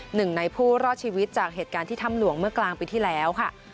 หนึ่งในผู้รอดชีวิตจากเหตุการณ์ที่ถ้ำหลวงเมื่อกลางปีที่แล้วค่ะ